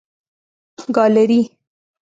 ګالري